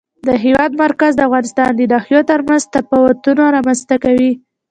د هېواد مرکز د افغانستان د ناحیو ترمنځ تفاوتونه رامنځ ته کوي.